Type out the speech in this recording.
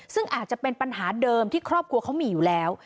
ซึ่งอาจจะเป็นปัญหาเดิมที่ครอบครัวเขามีอยู่แล้ว